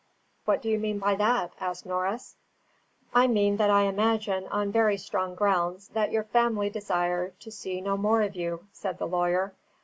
"What do you mean by that?" asked Norris. "I mean that I imagine, on very strong grounds, that your family desire to see no more of you," said the lawyer.